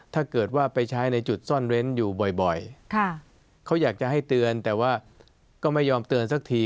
ถ้าเกิดว่าไปใช้ในจุดซ่อนเว้นอยู่บ่อยเขาอยากจะให้เตือนแต่ว่าก็ไม่ยอมเตือนสักที